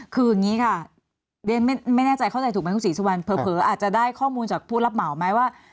คืออย่างนี้ค่ะเรียนไม่แน่ใจเข้าใจถูกไหมคุณศรีสุวรรณเผลออาจจะได้ข้อมูลจากผู้รับเหมาไหมว่า